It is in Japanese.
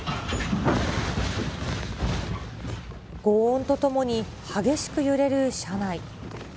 ごう音とともに激しく揺れる車内。